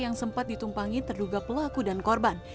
yang sempat ditumpangi terduga pelaku dan korban